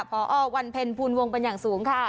พอวันเพ็ญภูมิวงปัญหาสูงค่ะ